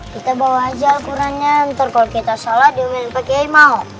kita bawa aja alquran nya ntar kalau kita salah dia pake maho